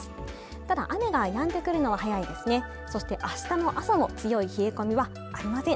ただ雨がやんでくるのは早いですねそして明日の朝も強い冷え込みはありません